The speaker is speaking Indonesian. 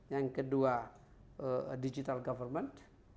yang kedua digital government